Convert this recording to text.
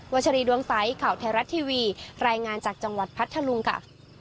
ชรีดวงใสข่าวไทยรัฐทีวีรายงานจากจังหวัดพัทธลุงค่ะ